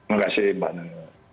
terima kasih mbak nenek